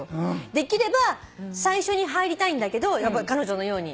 できれば最初に入りたいんだけど彼女のように。